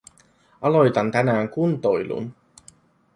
Aloitan tänään kuntoilun.